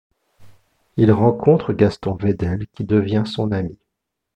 Il rencontre Gaston Vedel qui devient son ami.